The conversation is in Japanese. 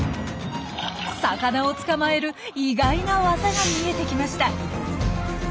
魚を捕まえる意外な技が見えてきました。